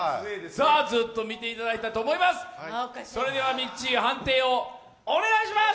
ずっと見ていただいたと思います。